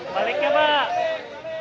balik ya pak